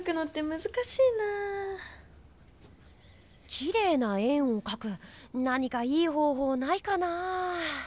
きれいな円をかく何かいい方ほうないかなぁ？